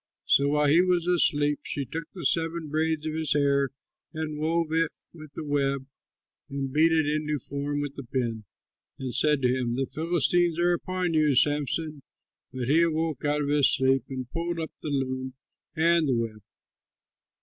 So while he was asleep, she took the seven braids of his hair and wove it with the web and beat it into form with the pin, and said to him, "The Philistines are upon you, Samson!" But he awoke out of his sleep and pulled up the loom and the web.